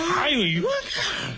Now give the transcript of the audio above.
言わんか！